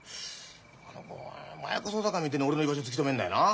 あの子麻薬捜査官みてえに俺の居場所突き止めんだよな。